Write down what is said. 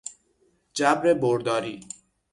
جبر برداری